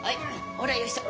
ほらよいしょ。